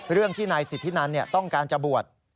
เรื่องที่นายสิทธินันต้องการจะบวช